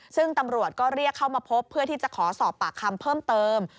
ซึ่งตำรวจก็เรียกเข้ามาพบเพื่อที่จะขอสอบปากคำเพิ่มเติม